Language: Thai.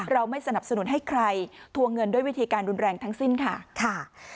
เราไม่สนับสนุนให้ใครทวงเงินด้วยวิธีการรุนแรงทั้งสิ้นค่ะค่ะ